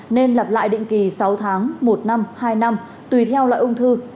nên lập lại định kỳ sáu tháng một năm hai năm tùy theo loại ung thư